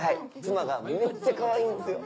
妻がめっちゃかわいいんですよ。